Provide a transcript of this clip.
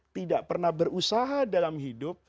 tidak pernah berusaha dalam hidup